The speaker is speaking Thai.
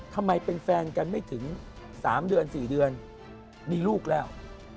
ทำไมเป็นแฟนกันไม่ถึง๓เดือน๔เดือนมีลูกแล้ว